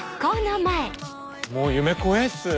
もう夢怖えぇっす。